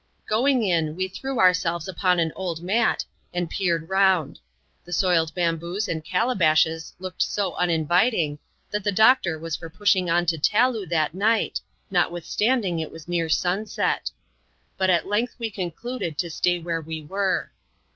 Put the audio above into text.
Going in, we threw ourselves upon an old mat, and peered round. The soiled bamboos and calabashes looked so uninviting,, that the doctor was for pushing on to Taloo that night, not withstanding it was near sunset. But at length we concluded to stay where we were.